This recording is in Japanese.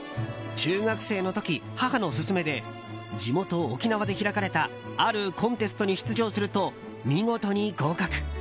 中学生の時、母の勧めで地元・沖縄で開かれたあるコンテストに出場すると見事に合格。